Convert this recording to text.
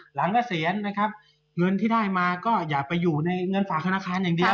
เกษียณนะครับเงินที่ได้มาก็อย่าไปอยู่ในเงินฝากธนาคารอย่างเดียว